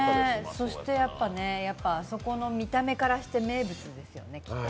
そしてやっぱ、そこの見た目からして名物ですよね。